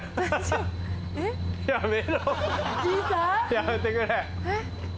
やめてくれ！